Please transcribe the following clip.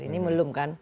ini belum kan